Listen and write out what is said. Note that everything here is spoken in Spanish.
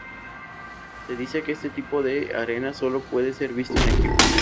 Se dice que este tipo de arena sólo puede ser visto en Egipto.